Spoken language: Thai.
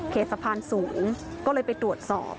สะพานสูงก็เลยไปตรวจสอบ